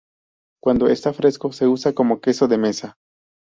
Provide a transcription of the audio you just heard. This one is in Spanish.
Cuando está fresco se usa como queso de mesa.